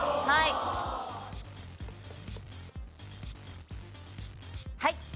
はい。